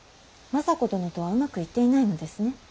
政子殿とはうまくいっていないのですね。